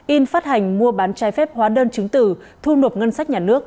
in phát hành mua bán trái phép hóa đơn chứng tử thu nộp ngân sách nhà nước